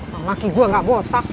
mamaki gua gak botak